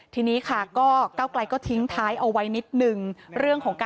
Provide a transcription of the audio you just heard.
ทีนี้แคระก็ก้าวไกลก็ทิ้งท้ายเอาไว้นิดหนึ่ง